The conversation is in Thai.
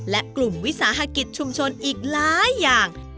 และกลุ่มวิสาหกิจชุมชนอีกหลายอย่าง